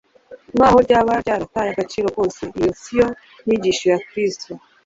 nkaho ryaba ryarataye agaciro kose. Iyo si yo nyigisho ya Kristo.